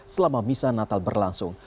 selama misanatal berlangsung